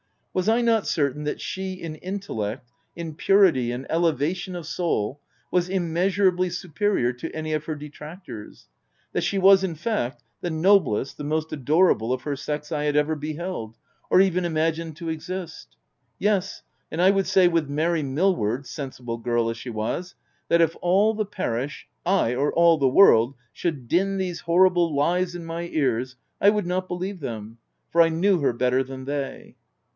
Was I not certain that she, in intellect, in purity and elevation of soul, was immeasurably superior to any of her detractors ; that she was, in fact, the noblest, the most adorable, of her sex I had ever beheld, or even imagined to exist ? Yes^ and I would say with Mary Millward (sensible girl as she was,) that if all the parish, ay, or all the world should din these horrible lies in my ears, I would not believe them ; for I knew her better than they.